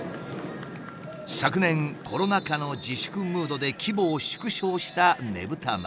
昨年コロナ禍の自粛ムードで規模を縮小したねぶた祭。